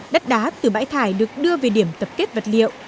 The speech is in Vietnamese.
đất đá từ bãi thải được đưa về điểm tập kết vật liệu